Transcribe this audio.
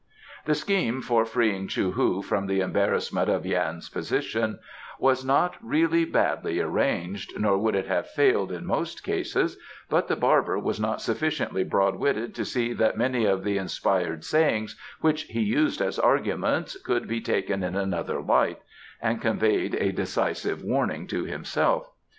The scheme for freeing Chou hu from the embarrassment of Yan's position was not really badly arranged, nor would it have failed in most cases, but the barber was not sufficiently broad witted to see that many of the inspired sayings which he used as arguments could be taken in another light and conveyed a decisive warning to himself.